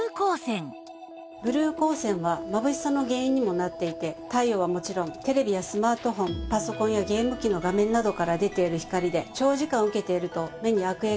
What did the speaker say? ブルー光線はまぶしさの原因にもなっていて大陽はもちろんテレビやスマートフォンパソコンやゲーム機の画面などから出ている光で。